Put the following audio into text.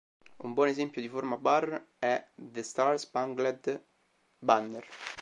Un buon esempio di forma bar è "The Star-Spangled Banner".